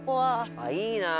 あっいいなー！